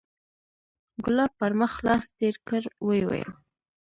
ګلاب پر مخ لاس تېر کړ ويې ويل.